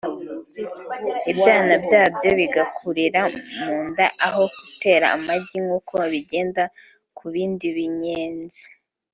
ibyana byabyo bigakurira mu nda aho gutera amagi nk’uko bigenda ku bindi binyenzi